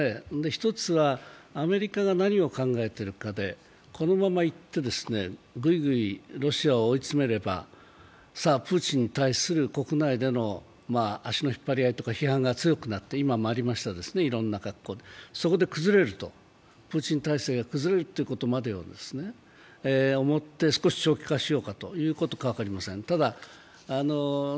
一つは、アメリカが何を考えているかで、このままいって、ぐいぐいロシアを追い詰めれば、さあプーチンに対する国内での足の引っ張り合いとか批判が強くなって今もありましたですね、いろんな格好で、そこでプーチン体制が崩れるということまで思って少し長期化しようかということかも分かりません。